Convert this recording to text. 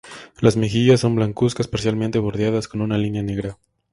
Las mejillas son blancuzcas parcialmente bordeadas con una línea negra.